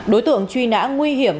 đối tượng truy nã nguy hiểm